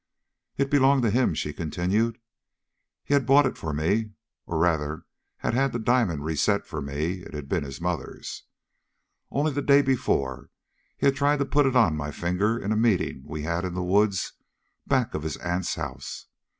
"It belonged to him," she continued. "He had bought it for me, or, rather, had had the diamond reset for me it had been his mother's. Only the day before, he had tried to put it on my finger in a meeting we had in the woods back of his aunt's house.